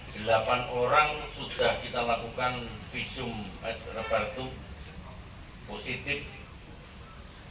dimana delapan orang sudah kita lakukan visum rebatu positif